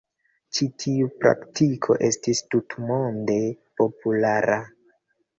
Ĉi tiu praktiko estis tutmonde populara.